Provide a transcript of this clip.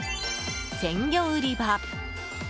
鮮魚売り場。